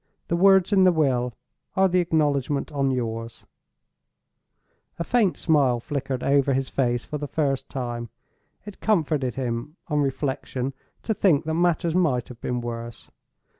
The words in the will are the acknowledgment on yours." A faint smile flickered over his face for the first time. It comforted him, on reflection, to think that matters might have been worse.